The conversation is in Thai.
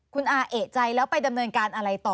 คุณอาเอกใจแล้วไปดำเนินการอะไรต่อ